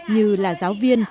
như là giáo viên môi trường học